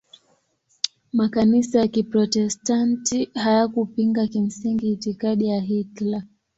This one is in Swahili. Makanisa ya Kiprotestanti hayakupinga kimsingi itikadi ya Hitler.